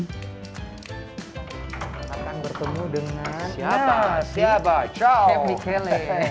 kita akan bertemu dengan chef michele